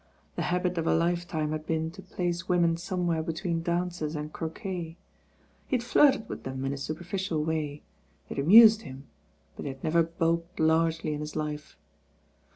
The habit of a life time had been to place women somewhere between dances and croquet. He had flirted with them in a superficial way, they had amused him; but they had never bulked largely in his life.